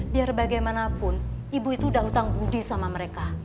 biar bagaimanapun ibu itu udah hutang budi sama mereka